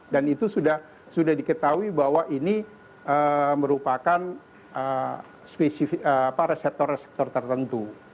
dan itu sudah diketahui bahwa ini merupakan reseptor reseptor tertentu